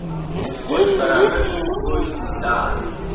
وەک فەرامەرزی گۆی زیندان